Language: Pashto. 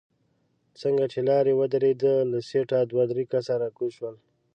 څنګه چې لارۍ ودرېده له سيټه دوه درې کسه راکوز شول.